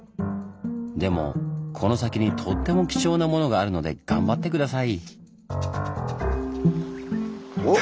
でもこの先にとっても貴重なものがあるので頑張って下さい！